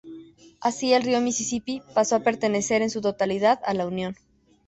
Así el río Misisipi pasó a pertenecer en su totalidad a la Unión.